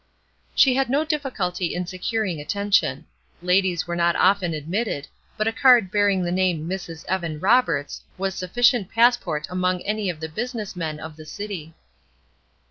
She had no difficulty in securing attention. Ladies were not often admitted, but a card bearing the name "Mrs. Evan Roberts" was sufficient passport among any of the business men of the city.